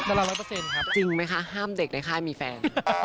จริงไหมคะห้ามเด็กในค่ายมีแฟน